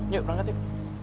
yuk berangkat yuk